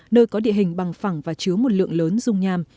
nơi có địa hình bằng phẳng và chứa một lượng lớn dung nham